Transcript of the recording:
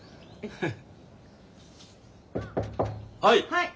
はい。